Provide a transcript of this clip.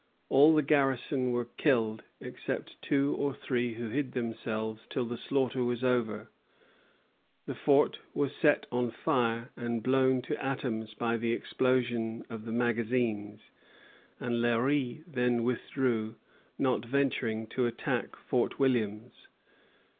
All the garrison were killed, except two or three who hid themselves till the slaughter was over; the fort was set on fire and blown to atoms by the explosion of the magazines; and Léry then withdrew, not venturing to attack Fort Williams.